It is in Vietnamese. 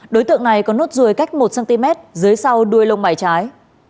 đối tượng này có nốt ruồi cách một cm dưới sau đuôi lông mải trái